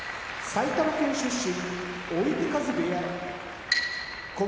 埼玉県出身